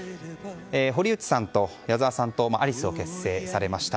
堀内さんと矢沢さんとアリスを結成されました。